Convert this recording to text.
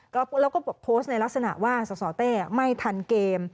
แล้วก็โพสต์ในลักษณะว่าสสเต้ไม่ทันเกม